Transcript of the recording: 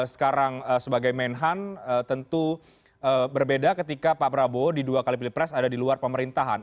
sekarang sebagai menhan tentu berbeda ketika pak prabowo di dua kali pilpres ada di luar pemerintahan